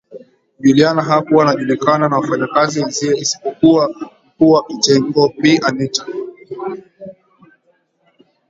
Juliana hakuwa anajulikana na wafanya kazi wenzie isipokuwa mkuu wa kitengo Bi Anita